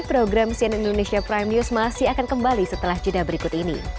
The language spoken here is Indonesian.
program cnn indonesia prime news masih akan kembali setelah jeda berikut ini